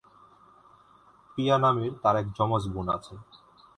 পিয়া নামের তার এক জমজ বোন আছে।